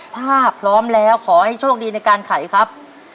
ถ้าพร้อมแล้วขอให้โชคดีในการไขครับ